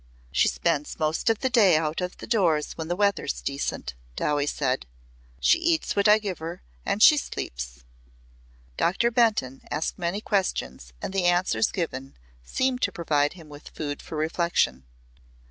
"She spends most of the day out of doors when the weather's decent," Dowie said. "She eats what I give her. And she sleeps." Doctor Benton asked many questions and the answers given seemed to provide him with food for reflection.